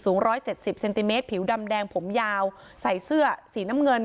สูงร้อยเจ็ดสิบเซนติเมตรผิวดำแดงผมยาวใส่เสื้อสีน้ำเงิน